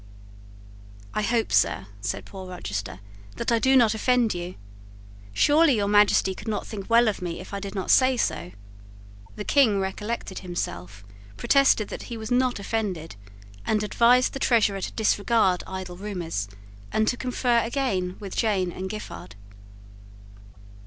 "I hope, sir," said poor Rochester, "that I do not offend you. Surely your Majesty could not think well of me if I did not say so." The King recollected himself protested that he was not offended, and advised the Treasurer to disregard idle rumours, and to confer again with Jane and Giffard.